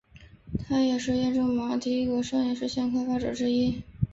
他也是验证码的第一个商业实现的开发者之一。